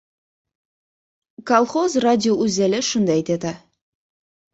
Kolxoz radiouzeli shunday dedi.